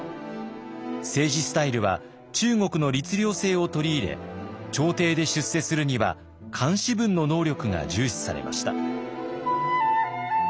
政治スタイルは中国の律令制を取り入れ朝廷で出世するには漢詩文の能力が重視されました。